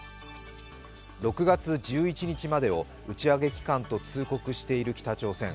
６月１１日までを打ち上げ期間と通告している北朝鮮。